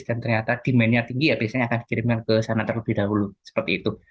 dan ternyata demandnya tinggi ya biasanya akan dikirimkan ke sana terlebih dahulu